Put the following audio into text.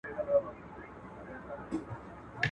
پرېږده جهاني ته د خیالي کاروان سندره دي.